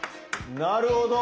なるほど。